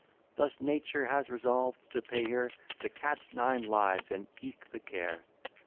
Thus nature has resolved to pay her The cat's nine lives, and eke the care.